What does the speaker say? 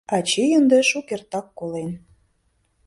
— Ачий ынде шукертак колен.